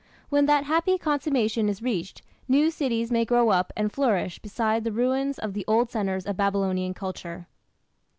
When that happy consummation is reached, new cities may grow up and flourish beside the ruins of the old centres of Babylonian culture.